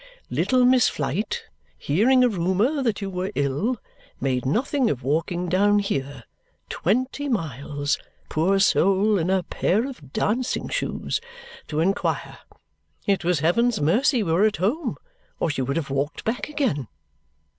Little Miss Flite, hearing a rumour that you were ill, made nothing of walking down here twenty miles, poor soul, in a pair of dancing shoes to inquire. It was heaven's mercy we were at home, or she would have walked back again."